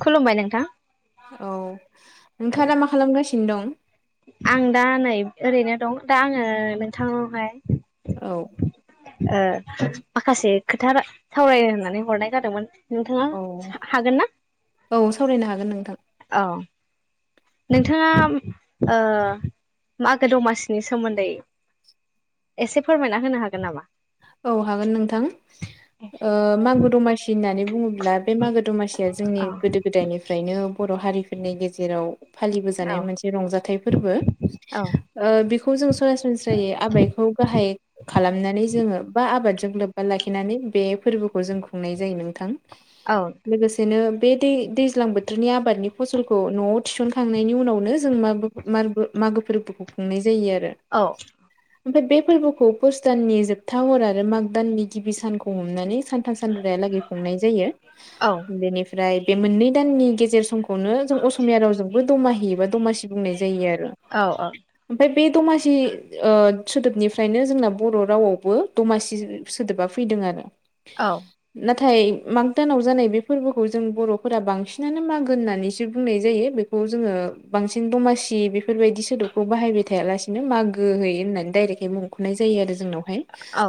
खुलुमबाय नोंथां औ नोंथाङा दा मा खालामगासिनो दं? आं दा नै ओरैनो दं दा आङो नोंथांनावहाय औ। ओ माखासे खोथा रां सावरायनो होननानै हरनाय जादोंमोन। नोंथाङा हागोन ना? औ सावरायनो हागोन नोंथां औ नोंथाङा ओ मागो दमासिनि सोमोन्दै एसे फोरमायना होनो हागोन नामा? औ हागोन नोंथां। ओ मागो दमासि होननानै बुङोब्ला ब्ला बे मागो दमासिया जोंनि औ गोदो गोदायनिफ्रायनो बर' हारिफोरनि गेजेराव औ फालिबोजानाय मोनसे रंजाथाइ फोरबो। औ ओ बेखौ जों सरासनस्रायै आबायखौ गाहाय खालामनानै जोङो बा आबादजों लोब्बा लाखिनानै बे फोरबोखौ जों खुंनाय जायो नोंथां। औ लोगोसेनो बे दै दैज्लां बोथोरनि आबादनि फसलखौ न'आव थिसनखांनायनि उनावनो जों म मागो फोरबोखौ खुंनाय जायो आरो। औ। ओमफ्राय बे फोरबोखौ पुस दाननि जोबथा हर आरो माग दाननि गिबि सानखौ हमनानै सान सानथाम सानब्रैहालागै खुंनाय जायो। औ बेनिफ्राय बे मोननै दाननि गेजेर समखौ नो जों असमिया रावजोंबो दमाहि एबा दमासि बुंनाय जायो आरो। औ ओनफाय बे दमासि ओ सोदोबनिफ्रायनो जोंना बर' रावाव बो दमासि सोदोबा फैदों आरो। औ। थाय माग दानाव जानाय बे फोरबोखौ जों बरफोरा बांसिनानो मागोन होननानैसो बुंनाय जायो। बेखौ खौ जोङो बांसिन दमासि बेफोरबायदि सोदोबखौ बाहायबाय थायालासेनो मागो होयो होननानै डाइरेक बे मुंखनाय जायो आरो जोंनावहाय। औ।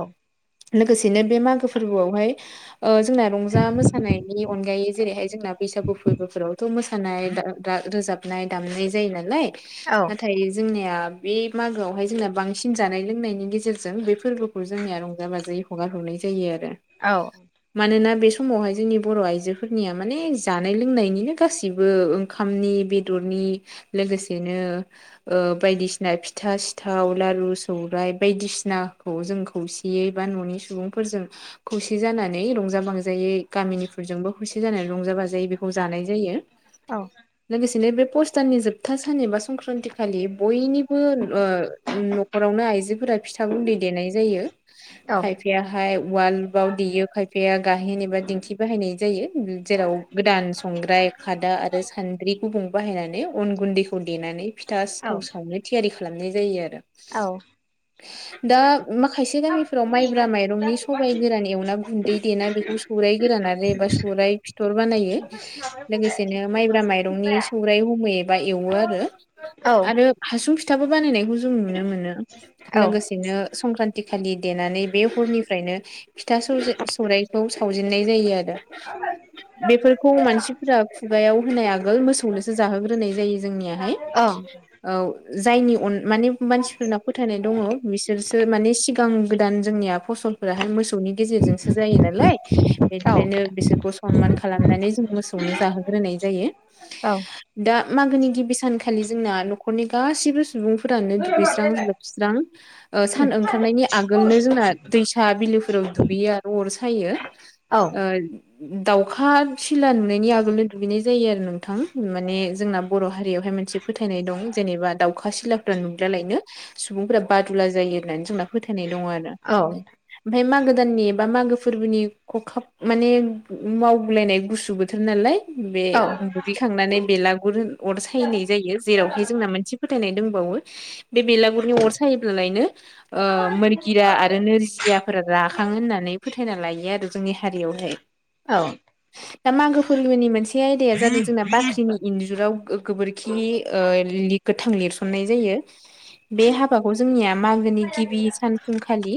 लोगोसेनो बे मागो फोरबोआवहाय ओ जोंना रंजा मोसानायनि अनगायै जेरैहाय जोंना बैसागु फोरबोफोरावथ मोसा नाय दा-दा रोजाबनाय दामनाय जायो नालाय नाथाय जोंनिया या बे मागोआवहाय जोंना बांसिन जानाय लोंनायनि गेजेरजों बे फोरबो खौ जोंनिया रंजा-बाजायै हगार हरनाय जायो आरो औ मानोना बे समावहाय जोंनि बर आइजोफोरनिया माने जानाय लोंनायनिनो गासिबो ओंखामनि बेदरनि नि लोगोसेनो ओ बायदिसिना फिथा सिथाव लारु सौराइ बाय दिसिनाखौ जोंखौ खौसेयै बा ननि सुबुंफोरजों खौसे जानानै रंजा बांजायै गामिनिफोरजोंबो खौसे से जानानै रंजा बाजायै बेखौ जानाय जायो औ लोगोसेनो बे पस्ताननि जोबथा सान एबा संक्रान्ति खालि बयनिबो ओ नखरावनो आइजोफोरा फिथा गुन्दै देनाय जा [inaudible] खायफायाहाय उवालबाव देयो खायफाया गाहेन एबा दिंखि बाहायनाय जायो बिब जेराव गोदान संग्राय खादा आरो सानद्रि गुबुं बाहायनानै अन गुन्दैखौ देनानै फिथा औ सिथाव औ सावनो थियारि खालामनाय जायो आरो दा माख खायसे गामिफोराव माइब्रा माइरंनि सबाय गोरान एवना गुन्दै देना बेखौ सौराय गोरान आरो एबा सौ सौराइ फिथर बानायो लोगोसेनो माइब्रा माइरंनि सौराइ हमैयो एबा एवो आरो आरो हासुं फिथाबो बानायनायखौ जों नु नुनो मोनो लोगोसेनो संक्रान्ति खालि देनानै बे हरनिफ्रायनो फिथा सौजे सौराइखौ सावजेननाय जायो आरो बेफोरखौ मानसिफोरा खुगायाव होनाय आग गोल मोसौनोसो जाहोग्रोनाय जायो जोंनिहाय ओ जायनि अन माने मानसिफोरनाव फोथायनाय दङ बिसोरसो माने सि गोदान जोंनिया फसलफोराहाय मोस सौनि गेजेरजोंसो जायो नालाय बेनिफखायनो बिसोरखौ सनमान खालामनानै जों मोसौनो जाहोगो होनाय जायो दा मागोनि गिबि सानखालि जोंना नखरनि गासिबो सु सुबुंफोरानो दुगैस्रां-लोबस्रां ओ सान ओंखा खारनायनि आगोलनो जोंना दैसा बिलोफोराव दुगैयो आरो अर सायो औ ओ दाउखा सिला नुनायनि आगोलनो दुगैनाय जायो आरो नोंथां माने जोंना बर हारियावहाय मोनसे फोथायनाय दं जेनेबा दाउ खा सिलाफ्रा नुल्बालायनो सुबुंफोरा बादुला जायो होननानै जोंना फोथायनाय दङ आरो औ ओमफाय मागो गोदाननि बा मागो फोरबोनि खखाब माने मावगुलायनाय गुसु बोथोर नालाय बे औ-औ-औ-औ-औ-औ-औ-औ-औ बुगैखांनानै बेलागुर अर सायनाय जायो जेरावहाय जोंना मोनसे फोथायनाय दों बावो बे बेलागुरनि अर सायोब्लालायनो ओ मोरगिरा आरो नोरजियाफोरा राखाङो होननानै फोथायना लायो आरो जोंनि हारियावहाय औ। दा मागो फोरबोनि मोनसे आयदाया जादों जोंना बाख्रिनि इन्जुराव गोबोरखि ओ लिख गोथां लिरसननाय जायो बे हाबाखौ जोंनिया मागोनि गिबि सान फुंखालि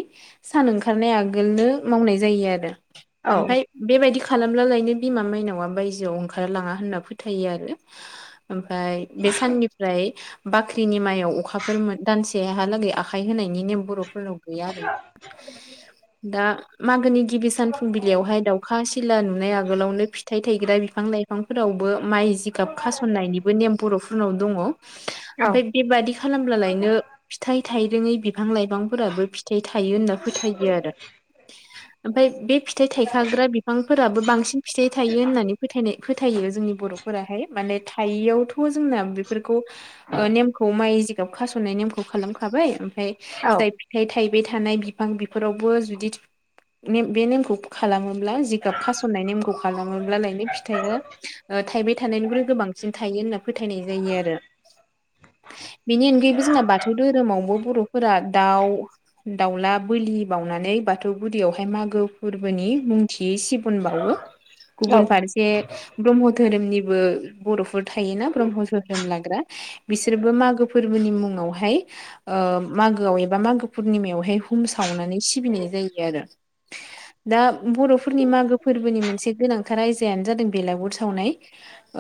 सान ओंखारनाय आगोलनो मावनाय जायो आरो ओमफाय बेबायदि खालामब्ला लायनो बिमा माइनावा बायजोआव ओंखारलाङा होनना फोथायो आरो ओमफाय बे साननिफ्राय बाख्रिनि माइयाव अखाफोर मो दानसेहालागै आखाइ होनायनि नेम बर'फो फोरनाव गैया आरो दा मागोनि गिबि सान फुंबिलियावहाय दाउखा सिला नुनाय आगोलावनो फिथाइ थायग्रा बिफां -लाइ बिफांफोरावबो माइ जिगाब खासननायनिबो नेम बर'फोरनाव दङ ओमफाय बेबादि खालामब्लालायनो फिथाइ थाइरोङै बिफां-लाइफांफोराबो फिथाइ थायो होनना फोथायो आरो ओमफाय बे फि थाइ थायखाग्रा बिफांफोराबो बांसिन फिथाइ थायो होननानै फोथायनाय फोथायो जोंनि बर'फोराहाय माने हायियावथ' जोंना बेफोरखौ ओनेमखौ माइ जिगाब खास'नाय नेमखौ खालामखाबाय ओमफ्राय जाय फिथाइ थाय बाय थानाय बिफां बेफोरावबो जुदि नेम बे नेमखौ खालामो ब्ला जिगाब खास'ननाय नेखौ खालामोब्ला लायनो फिथायो ओ थाइबाय थानायनिफ्राय गोबांसिन थायो होनना फोथायनाय जायो आरो बेनि अनगायैबो जोंना बाथौ धोरोमावबो बर' फोरा दाउ दाउला बोलि बावनानै बाथौ गुरियावहाय मागो फोरबोनि उनथि सिबुन बावो गुबुन फारसे ब्रह्म धोरोमनिबो बर'फोर थायोना ब्रह्म धोरोम लाग्रा बिसोरबो मागो फोरबोनि मुं आवहाय ओ मागोआव एबा मागो पुर्निमायावहाय हुम सावनानै सिबिनाय जायो आरो दा बर'फोरनि मागो फोरबोनि मोनसे गोनांथार आयजायानो जादों बेलागुर सावनाय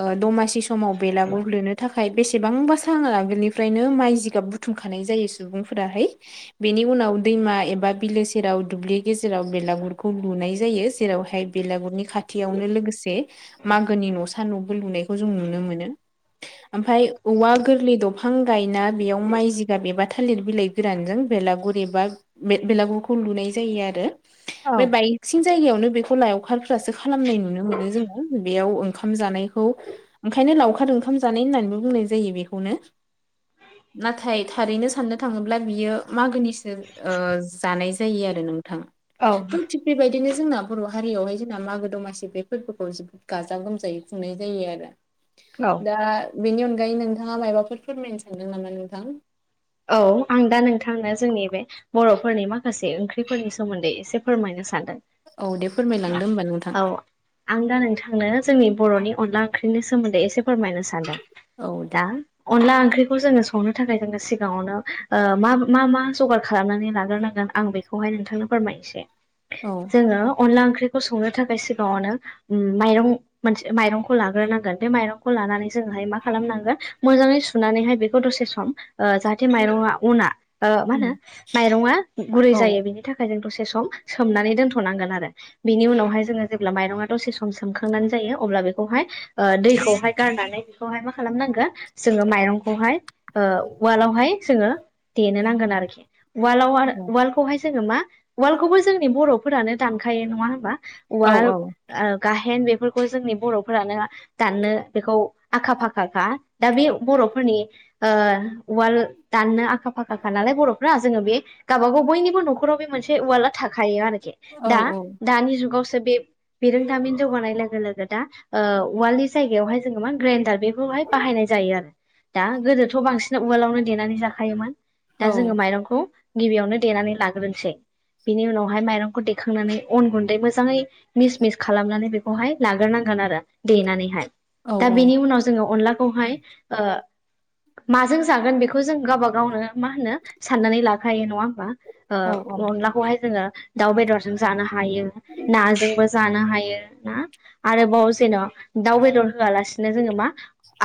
ओ दमासि स माव बेलागुर लुनो थाखाय बेसेबांबासा सान आगोलनिफ्रायनो माइ जिगाब बुथुमखानाय जायो। सुबुंफोराहाय बेनि उनाव दैमा एबा बिलो सेराव दुब्लि गेजेराव बेलागुरखौ लु नाय जायो जेरावहाय बेलागुरनि खाथियावनो लोगोसे मागोनि न'सा न'बो लुनायखौ जों नु नुनो मोन ओमफाय औवा गोरलै दंफां गायना बेयाव माइ जिगाब एबा थालिर बिलाइ गोरानजों बेलागुर एबा बेलागुरखौ लुनाय जायो आरो बे बायसिं जायगायावनो बेखौ लायावखारफ्रासो खालामनाय नुनो मोनो जोङो बेयाव ओंखाम जानायखौ ओंखा यनो लाउखार ओंखाम जानाय दोननानैबो बुनाय जायो बेखौनो नाथाय थारैनो साननो थाङोब्ला बियो मागोनिसो ओ जानाय जायो आरो नों थां थिंग बेबायदि बिदिनो जोंना बर' हारियावहाय जोंना मागो दमासि बे फोरबोखौ जोबोद गाजा गोमजायै खुंनाय जायो आरो दा बेनि अनगायै नोंथाङा मायाबाफोर फोरमायनो सानदों नामा नोंथां। आं दा ओइ ओंख्रिफोरनि सोमोनदै ऐसे फोरमायनो सामदों औ दे फोरमायलांदो होमबा नोंथां औ आं दा नोंथांनो जोंनि बर'नि अनला ओंख्रिनि सोमोन्दै एसे फोरमायनो सानदों। औ दे दा अनला ओंख्रिखौ जोङो संनो थाखाय जोङो सि गाङावनो ओ मा मा मा जगार खालामनानै लाग्रोनांगोन आं बेखौहाय नोंथांनो फोरमायनोसै। औ जोङो अनला ओंख्रि खौ संनो थाखाय सिगाङावनो उम माइरं मोनसे माइरंखौ लाग्रोनांगोन बे माइरंखौ लानानै जो जोंहाय मा खालामनांगोन मोजाङै सुनानैहाय बेखौ दसे सम ओ जाहाथे माइरंआ अना ओ मा होनो उम माइरङा गुरै औ जायो बिनि थाखाय जों दसे दसे सम सोमनानै दोन'नांगोन आरो बेनि उनावहाय जों जेब ब्ला माइरंआ दसे सम सोमखांनानै जायो अब्ला बेखौहाय ओ दैखौहाय गारनानै बेखौहाय मा खालामनांगो जोङो माइरंखौहाय ओ उवालावहाय जोङो देनो नांगोन आरोखि उवालआव औ आरो वार्ल्डखौहाय जोङो मा वार्ल्डखौबो जोंनि बर'फोरानो दानखायो नङा होनबा उवाल औ औ ओ गाहेन बे फोरखौ जोंनि बर'फोरानो दाननो बेखौ आखा फाखाखा दा बे बर'फोरनि ओ उवाल दाननो आखा फाखाखा नालाय बर'फ्रा जोङो बे गाबागाव बयनिबो नखराव बे मोनसे उविलआ थाखायो आरोखि औ दा दानि जुगाव सो बे बिरोंदामिन जौगानाय लोगो लोगो दा ओ उवालनि जायगायावहाय जोङो मा ग्रेनडार बेफोरखौ हाय बाहायनाय जायो आरो दा गोदोथ' बांसिन उवालावनो देनानै जाखायोमोन दा औ जोङो माइरंखौ गिबियावनो देनानै लाग्रोनोसै बिनि उनावहाय माइरंखौ देखांनानै अन गुन्दै मोजाङै मिस मिस खालामनानै बेखौहाय लाग्रोनांगोन आरो देनानैहाय औ दा औ बेनि उनाव जोंङो अनलाखौहाय ओ माजों जागोन बेखौ जों गावबा गावनो मा होनो साननानै लाखायो नङा होमबा औ ओ अनलाखौहाय जोंङो दाउ बेदरजों जानो हायो नाजोंबो जानो हायो ना आरोबाव जेन' दाउ बेदर होआलासिनो जोंङो मा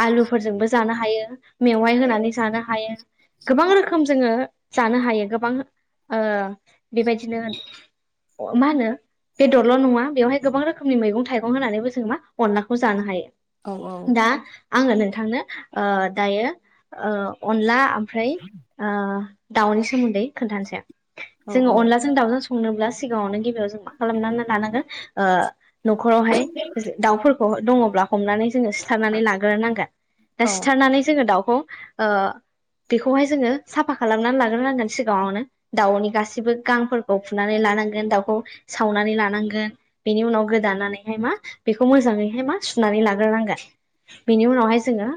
आलुफोरजोंबो जानो हायो मेवाइ होनानै जानो हायो। गोबां रोखोम जोंङो जानो हायो गोबां ओ बेबायदिनो अ मा होनो बेदरल' नङा बेवहाय गोबां रोखोमनि मैगं थाइगं होनानैबो जों मा अनलाखौ जानो हायो। औ औ आंङो नोंथांनो ओ दायो ओ अनला ओमफ्राय ओ दाउनि सोमोन्दै खोन्थानोसै आं औ जोंङो अनलाजों दाउजों संनोब्ला सिगाङावनो गिबियाव जों मा खालामनानै लानांगोन ओ नखर रावहाय दाउफोरखौ दङ हमनानै जोंङो सिथारनानै लाग्रोनांगोन दा औ सिथारनानै जोंङो दाउखौ ओ बेखौहाय जोंङो साफा खालामनानै लाग्रोनांगोन सिगाङावनो दाउनि गासैबो गांफोरखौ फुनानै ला नांगोन दाउखौ सावनानै लानांगोन बेनि उनाव गोदानानैहाय मा बेखौ मोजाङैहाय मा सुनानै लाग्रोनांगोन बेनि उनावहाय जोंङो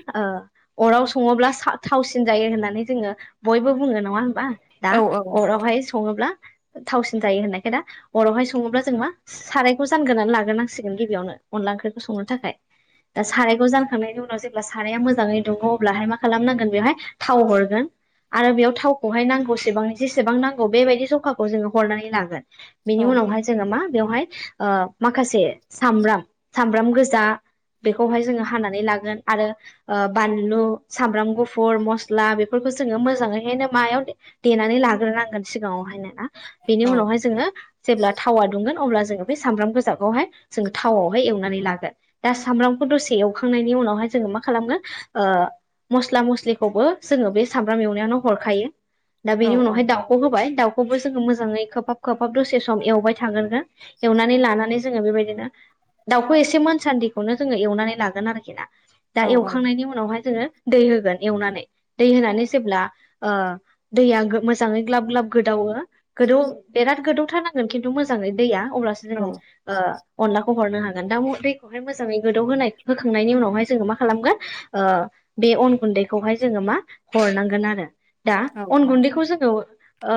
ओ अराव सङोब्ला सा थावसिन जायो होननानै जोंङो बयबो बुङो नङा होनबा दा औ औ अरावहाय सङोब्ला थावसिन जायो होननायखाय दा अरावहाय सङोब्ला जों मा सारायखौ जानगोरनानै लाग्रोनांसिगोन गिबियावनो अनला ओंख्रिखौ संनो थाखाय दा सारायखौ जानखांनायनि उनाव जेब्ला साराया मोजाङै दुंअ अब्लाहाय मा खालामनांगोन बेवहाय थाव हरगोन आरो बेयाव थावखौहाय नांगौसेबांनि जेसेबां नांगौ बेबायदि जखाखौ जोंङो हरनानै लागोन। बेनि उनावहाय जोंङो मा बेवहाय ओ माखासे सामब्राम सामब्राम गोजा बेखौहाय जोंङो हानानै लागोन आरो ओ बानलु सामब्राम गुफुर मस्ला बेफोरखौ जोंङो मोजाङैहायनो मायाव देनानै लाग्रोनांगोन। सिगाङावहायनो ना बेनि औ उनावहाय जोंङो जेब्ला थावा दुंगोन अब्ला जोंङो बे सब्राम गोजाखौहाय जों थावावहाय एवनानै लागोन दा सामब्रामखौ दसे एवखांनायनि उनावहाय जोंङो मा खालामगोन ओ मस्ला मस्लिखौबो जोङो बे सामब्राम एवनायावनो हरखायो दा बेनि औ उनावहाय दाउखौ होबाय दाउखौबो जोंङो मोजाङै खोबहाब खोबहाब दसे सम एवबाय थागोरगोन। एवनानै लानानै जोंङो बेबायदिनो दाउखौ एसे मोनसान्दिखौनो जोंङो एवनानै लागोन आरोखि ना दा एवखांनायनि उनावहाय जोंङो दै होगोन एवनानै दै होनानै जेब्ला ओ दैया मोजाङै ग्लाब ग्लाब गोदावो गोदौ बेराद गोदौ थारनांगोन खिनथु मोजाङै दैया अब्लासो औ जोंङो ओ अनला खौ हरनो हागोन दाउ दैखौहाय मोजाङै गोदौ होनाय होखांनायनि उनावहाय जोंङो मा खालामगोन ओ बे अन गुन्दैखौहाय जोंङो मा हरनांगोन आरो दा अन गुन्दैखौ जोंङो ओ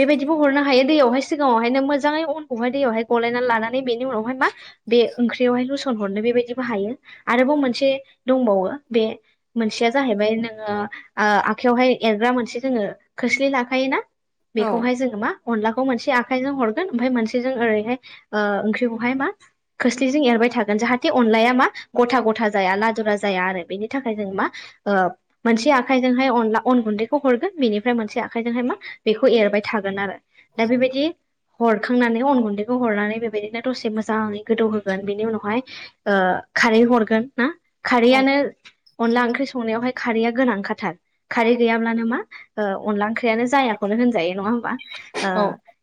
बेबायदिबो हरनो हायो दैयावहाय सिगाङावहायनो मोजाङै उनखौहाय दैयावहाय गलायनानै लानानै बेनि उनावहाय मा बे ओंख्रियावहाय लुसन हरनो बेबायदिबो हायो आरोबाव मोनसे दंबावो बे मोनसेया जाहैबाय नोंङो ओ आखाइयावहाय एरग्रा मोनसे जोंङो खोस्लि लाखायो ना बेखौहाय जोंङो मा अनलाखौ मोनसे आखायजों हरगोन ओमफ्राया मोनसेजों ओरैहाय ओंख्रिखौहाय मा खोस्लिजों एर थागोन जाहे अनलाया मा गथा गथा जाया लादुरा जाया आरो बेनि थाखाय जों मा मोनसे आखाइजोंहाय अनला अन गुन्दैखौ हरगोन बेनिफ्राय मोनसे आखाइजोंहाय मा बेखौ एरबाय थागोन आरो दा बेबायदि हरखांनानै अन गुन्दैखौ हरनानै बेबायदिनो दसे मोजाङै गोदौ होगोन बिनि उनावहाय ओ खारै हरगोन ना खारैयानो अनला ओंख्रि संनायावहाय खारैया गोनांखाथार खारै गैयाब्लानो मा ओ अनला ओंख्रियानो जायाखौनो होनजायो नङा होमबा ओ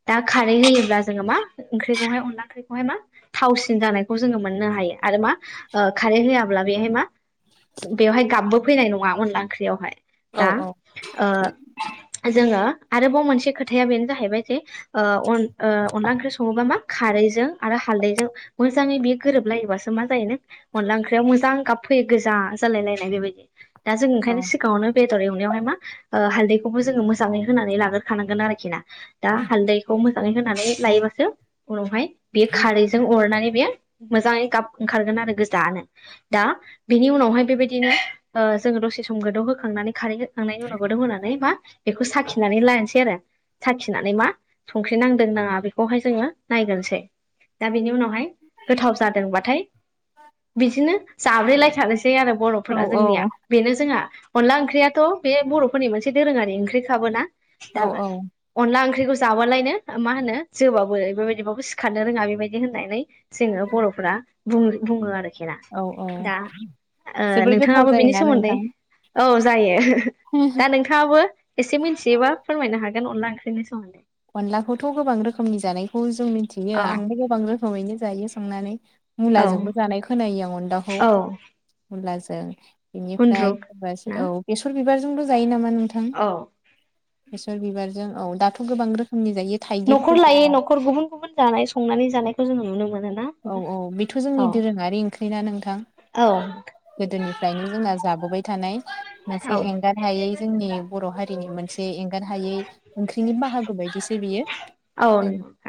दा खारै होयोब्ला जोङो मा ओंख्रिखौहाय अनला ओंख्रिखौहाय मा थावसिन जानायखौ जोङो मोननो हायो आरो मा खारै होआब्ला बेहाय मा बेवहाय गाबबो फैनाय नङा अनला ओंख्रियावहाय दा जोङो आरोबाव मोनसे खोथाया बेनो जाहैबाय जे अनला ओंख्रि सङोबा मा खारैजों आरो हालदैजों मोजाङै बेयो गोरोबलायोबासो मा जायो नों अनला ओंख्रियाव मोजां गाब फैयो गोजा जालाय लायनाय बेबायदि दा जों ओंखायनो सिगाङावनो बेदर एवनायावहाय मा हालदैखौबो जोङो मोजाङै होनानै लाग्रोखानांगोन आरोखि ना दा हालदैखौ होनानै लायोबासो उनावहाय बे खारैजों बेयो मोजाङै गाब ओंखारगोन आरो गोजानो दा बेनि उनावहाय बेबायदिनो जोङो दसे सम गोदौहोखांनानै खारै खांनायनि उनाव गोदोव होनानै मा बेखौ साखिनानै लानोसै एसे आरो साखिनानै मा संख्रि नांदोंनााङा बेखौहाय जोङो नायग्रोनोसै दा बेनि उनावहाय गोथाव जादोंबाथाय बिदिनो जाब्रैलायसै बर'फोरा जोंनिया बेनो जोंहा अनला ओंख्रियाथ' बे बर'फोरनि मोनसे दोरोङारि ओंख्रि खाबोना दा अला ओंख्रिखौ जाबालायनो मा होनो जोबाबो बेबायदिबो सिखारनो रोङा बेबायदि होननानै जोङो बर'फ्रा बुं बुङोआरो औ औ ओ जोबोर गोथाव नोंथाङाबो बेनि जायोना सोमोन्दै नोंथां औ जायो दा नोंथाङाबो एसे मिथियोबा फोरमायनो हागोन अनला ओंख्रिनि सोमोन्दै अनलाखौथ' गोबां रोखोमनि जानायखौ जों मिथियो औ आंबो गोबां रोखोमैनो जायो संनानै औ मुलाजोंबो जानाय खोनायो आं अनलाखौ औ मुलाजों बेनिफ्राय गुन्द्रुक सोरबा ना औ बेसर बिबारजोंबो जायो नामा नोंथां? औ बेसर बिबारजों औ दाथ' गोबां रोखोम न'खर लायै न'खर गुबुन गुबुन जानाय संनानै जानायखौ जोङो नुनो मोनो ना औ औ बेथ' जोंनि औ दोरोङारि ओंख्रि ना नोंथां औ गोदोनिफ्रायनो जोंना जाबोबाय थानाय मोनसे औ एंगार हायै जोंनि बर' हारि नि मोनसे एंगार हायै ओंख्रिनि बाहागो बायदिसो औ बियो नंगौ